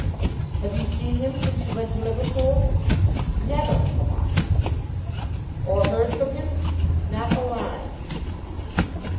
"Have you seen him since you went to Liverpool?" "Never, papa." "Or heard from him?" "Not a line."